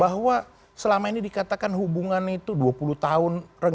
bahwa selama ini dikatakan hubungan itu dua puluh tahun